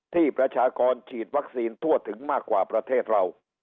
ประชากรฉีดวัคซีนทั่วถึงมากกว่าประเทศเรา